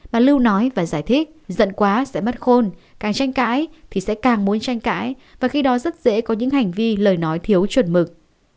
bà lưu nói và giải thích dẫn quá sẽ bắt khôn càng tranh cãi thì sẽ càng muốn tranh cãi và khi đó rất dễ có những hành vi lời nói thiếu chuẩn mực